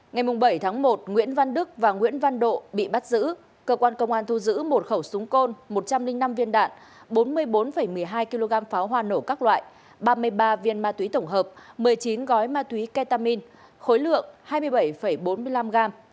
ngày bảy tháng một nguyễn văn đức và nguyễn văn độ bị bắt giữ cơ quan công an thu giữ một khẩu súng côn một trăm linh năm viên đạn bốn mươi bốn một mươi hai kg pháo hoa nổ các loại ba mươi ba viên ma túy tổng hợp một mươi chín gói ma túy ketamin khối lượng hai mươi bảy bốn mươi năm gram